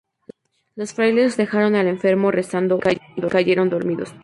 Los frailes dejaron al enfermo rezando y cayeron dormidos.